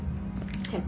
先輩